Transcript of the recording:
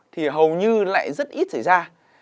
thì hầu như lại rất ít xảy ra